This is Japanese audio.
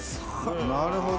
なるほど。